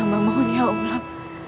amang mohon ya allah